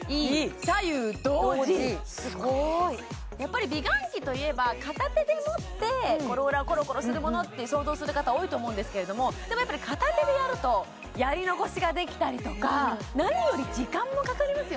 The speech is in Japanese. やっぱり美顔器といえば片手で持ってローラーコロコロするものって想像する方多いと思うんですけどでもやっぱり片手でやるとやり残しができたりとか何より時間もかかりますよね